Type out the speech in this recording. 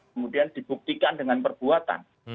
kemudian dibuktikan dengan perbuatan